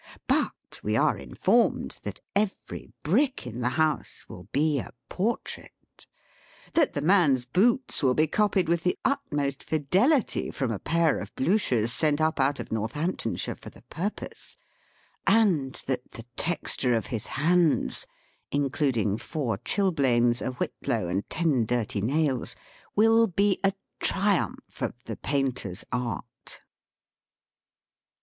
But we are informed that every brick in the house will be a portrait ; that the man's boots will be copied with the utmost fidelity from a pair of Bluchers, sent up out of Northamptonshire for the purpose ; and that the texture of his hands (including four chilblains, a whitlow, and ten dirty nails) will be a triumph of the Painter's art.